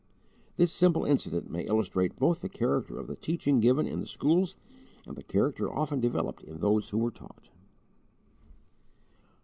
This simple incident may illustrate both the character of the teaching given in the schools, and the character often developed in those who were taught.